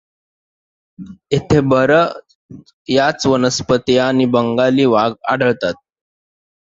येथे बर् याच वनस्पती आणि बंगाली वाघ आढळतात.